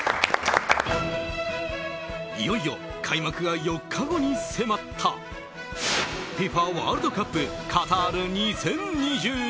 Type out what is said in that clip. いよいよ開幕が４日後に迫ったＦＩＦＡワールドカップカタール２０２２。